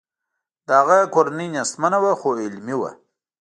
د هغه کورنۍ نیستمنه وه خو علمي وه